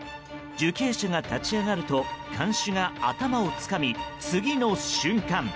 受刑者が立ち上がると看守が頭をつかみ次の瞬間